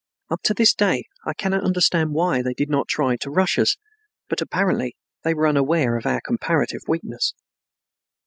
Up to this day I cannot understand why they did not try to rush us, but apparently they were unaware of our comparative weakness.